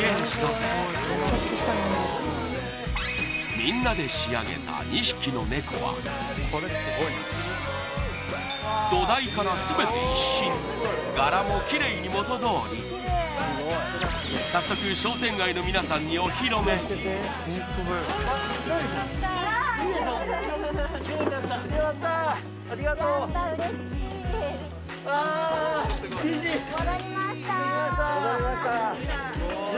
みんなで仕上げた２匹の猫は早速ありがとうやった嬉しい戻りました